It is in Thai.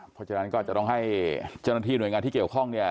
เพราะฉะนั้นก็อาจจะต้องให้เจ้าหน้าที่หน่วยงานที่เกี่ยวข้องเนี่ย